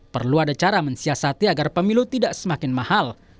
perlu ada cara mensiasati agar pemilu tidak semakin mahal